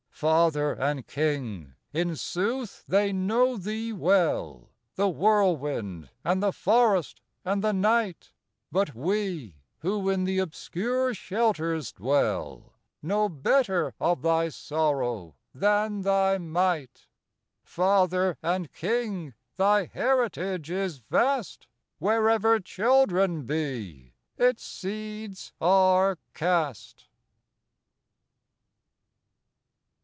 Father and King! in sooth, they know thee well— The Whirlwind and the Forest and the Night; But we who in the obscure shelters dwell Know better of thy sorrow than thy might. Father and King! thy heritage is vast; Wherever children be, its seeds are cast.